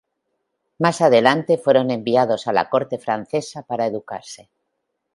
Más adelante fueron enviados a la corte francesa para educarse.